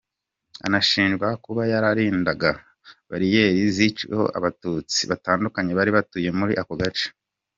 Anashinjwa kuba yararindaga Bariyeri ziciweho Abatutsi batandukanye bari batuye muri ako gace.